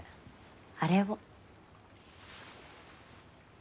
あれを。